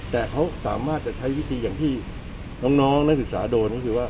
แต่เขาสามารถจะใช้วิธีอย่างที่น้องนักศึกษาโดนก็คือว่า